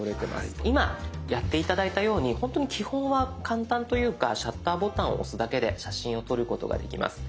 今やって頂いたように本当に基本は簡単というかシャッターボタンを押すだけで写真を撮ることができます。